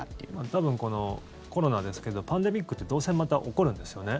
多分、このコロナですけどパンデミックってどうせまた起こるんですよね。